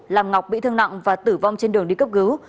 làm ngọc bị thương nặng và tử vong trên đường đi cấp cứu